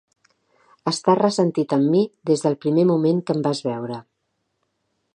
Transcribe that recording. Estàs ressentit amb mi des del primer moment que em vas veure.